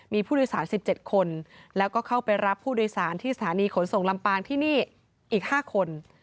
มีผู้โดยสาร๑๗คนแล้วก็เข้าไปรับผู้โดยสารที่สถานีขนส่งลำปางที่นี่อีก๕คน